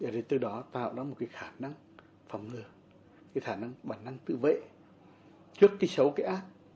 để từ đó tạo ra một cái khả năng phòng ngừa cái khả năng bản năng tự vệ trước cái xấu cái ác